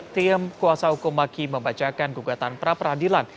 tim kuasa hukum maki membacakan gugatan pra peradilan